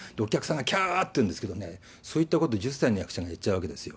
きゃーって言うんですけどね、そういったこと、１０歳の役者が言っちゃうわけです。